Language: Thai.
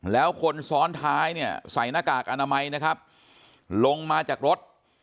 แล้วคนซ้อนท้ายเนี่ยใส่หน้ากากอนามัยนะครับลงมาจากรถ